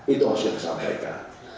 itu hasilnya kesatuan mereka